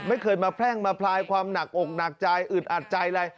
ไม่เคยมาแพร่งมาพลายความหนักอกหนักใจอึดอัดใจอะไร